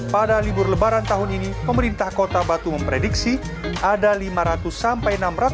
pada libur lebaran tahun ini pemerintah kota batu memprediksi ada lima ratus sampai enam ratus